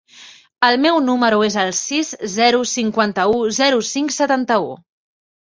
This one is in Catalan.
El meu número es el sis, zero, cinquanta-u, zero, cinc, setanta-u.